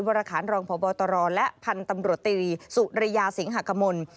วรคารรองพบตรและพันธุ์ตำรวจตรีสุริยาสิงหากมล